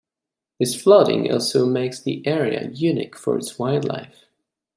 This flooding also makes the area unique for its wildlife.